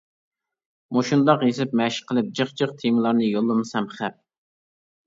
مۇشۇنداق يېزىپ مەشىق قىلىپ جىق-جىق تېمىلارنى يوللىمىسام خەپ!